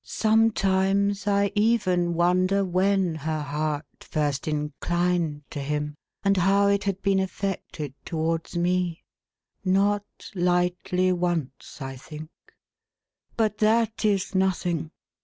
Sometimes I even wonder when her heart first inclined to him, and how it had been affected towards me. — Not lightly, once, I think. — But that is nothing.